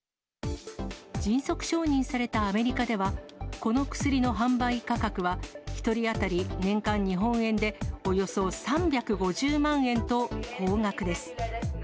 迅速承認されたアメリカでは、この薬の販売価格は、１人当たり年間日本円でおよそ３５０万円と高額です。